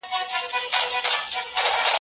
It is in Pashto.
چي موږ ډېر یو تر شمېره تر حسابونو